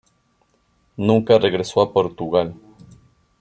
Nunca regresó a Portugal.